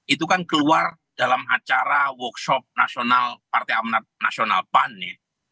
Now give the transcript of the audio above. itu kan keluar dalam acara workshop nasional partai amanat nasional pan ya